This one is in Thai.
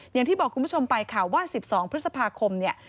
อย่างที่บอกคุณผู้ชมไปค่ะว่า๑๒พฤษภาคมเนี่ย